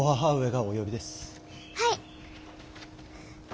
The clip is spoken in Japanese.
はい。